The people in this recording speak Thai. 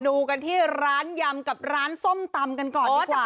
ดูกันที่ร้านยำกับร้านส้มตำกันก่อนดีกว่า